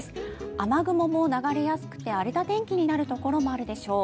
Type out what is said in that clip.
雨雲も流れやすくて荒れた天気になるところもあるでしょう。